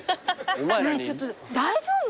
ねえちょっと大丈夫？